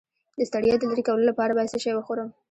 د ستړیا د لرې کولو لپاره باید څه شی وخورم؟